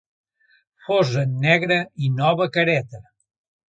Fos en negre i nova careta.